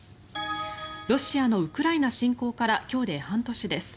ロシアのウクライナ侵攻から今日で半年です。